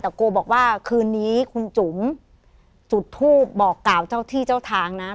แต่โกบอกว่าคืนนี้คุณจุ๋มจุดทูปบอกกล่าวเจ้าที่เจ้าทางนะ